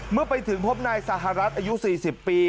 เมื่อไปถึงพบนายสหรัฐอายุ๔๐ปี